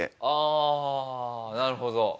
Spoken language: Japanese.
ああなるほど。